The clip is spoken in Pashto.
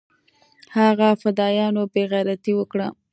هغه فدايانو بې غيرتي اوکړه.